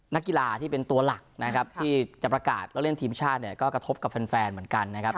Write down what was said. นักกีฬาที่เป็นตัวหลักนะครับที่จะประกาศแล้วเล่นทีมชาติเนี่ยก็กระทบกับแฟนเหมือนกันนะครับ